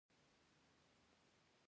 ژوند په خوښۍ کیږي.